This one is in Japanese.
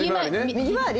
右回り？